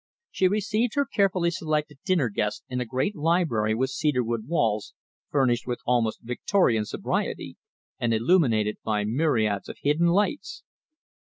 She received her carefully selected dinner guests in a great library with cedarwood walls, furnished with almost Victorian sobriety, and illuminated by myriads of hidden lights.